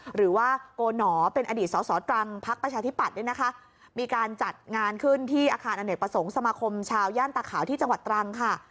หรือว่าโกหนอเป็นอดีตสอสอตรังพักประชาธิปัตย์เนี่ยนะคะมีการจัดงานขึ้นที่อาคารอเนกประสงค์สมาคมชาวย่านตาขาวที่จังหวัดตรังค่ะ